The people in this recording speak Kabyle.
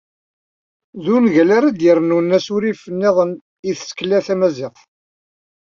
D ungal ara d-yernun asurif-nniḍen i tsekla tamaziɣt.